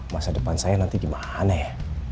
masa depan saya nanti gimana ya